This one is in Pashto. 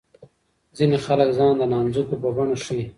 ځینې خلک ځان د نانځکو په بڼه ښيي.